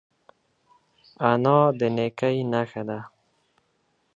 انا د نیکۍ نښه ده